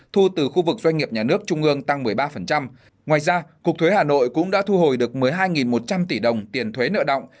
thu từ khu vực doanh nghiệp nhà nước trung ương tăng một mươi ba ngoài ra cục thuế hà nội cũng đã thu hồi được một mươi hai một trăm linh tỷ đồng tiền thuế nợ động